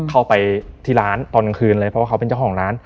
เข้าไปที่ร้านตอนกลางคืนเลยเพราะว่าเขาเป็นเจ้าของร้าน